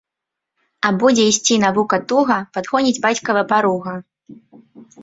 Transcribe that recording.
А будзе йсці навука туга, падгоніць бацькава паруга!